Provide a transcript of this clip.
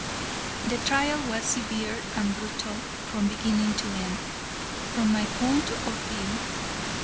The trial was severe and brutal from beginning to end, from my point of view.